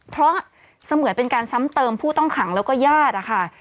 เพราะเสมือนเป็นการซ้ำเติมผู้ต้องขังแล้วก็ญาตินะคะ